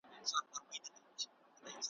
چي به کله ښکاري باز پر را ښکاره سو ,